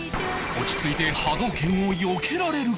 落ち着いて波動拳をよけられるか？